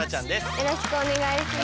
よろしくお願いします。